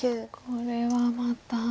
これはまた。